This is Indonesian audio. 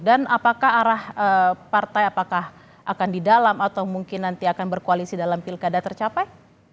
dan apakah arah partai akan di dalam atau mungkin nanti akan berkoalisi dalam pilkada tercapai